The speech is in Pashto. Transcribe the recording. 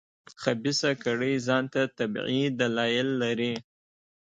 خبیثه کړۍ ځان ته طبیعي دلایل لري.